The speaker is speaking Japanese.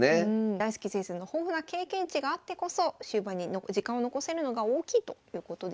大介先生の豊富な経験値があってこそ終盤に時間を残せるのが大きいということでした。